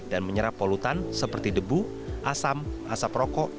dan menyerap polutan seperti debu asam asap rokok